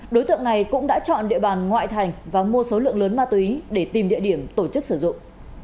đối tượng này cũng đã chọn địa bàn ngoại thành và mua số lượng lớn ma túy để tìm địa điểm tổ chức sử dụng